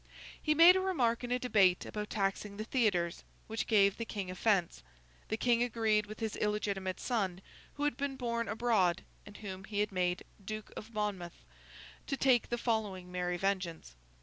He made a remark in a debate about taxing the theatres, which gave the King offence. The King agreed with his illegitimate son, who had been born abroad, and whom he had made Duke of Monmouth, to take the following merry vengeance.